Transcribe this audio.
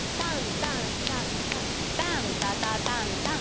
タンタタタタタン。